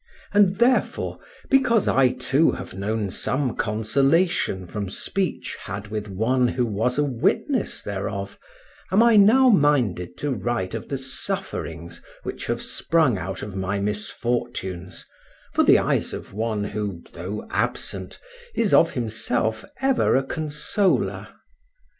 And therefore, because I too have known some consolation from speech had with one who was a witness thereof, am I now minded to write of the sufferings which have sprung out of my misfortunes, for the eyes of one who, though absent, is of himself ever a consoler.